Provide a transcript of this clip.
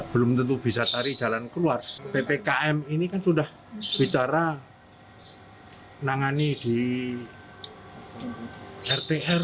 belum tentu bisa tarik jalan keluar ppkm ini kan sudah bicara menangani di rtr